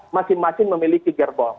masing masing memiliki gerbong